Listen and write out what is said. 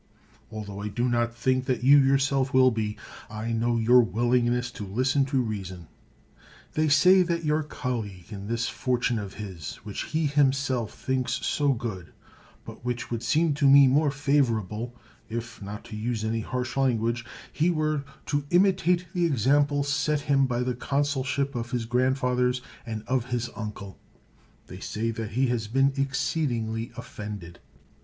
Altho I do not think that you yourself will be, I know your willing ness to listen to reason. They say that your col leag, in this fortune of his, which he himself thinks so good, but which would seem to me more favorable if (not to use any harsh language) he were to imitate the example set him by the 160 CICERO consulship of his grandfathers and of his uncle, — they say that he has been exceedingly offended.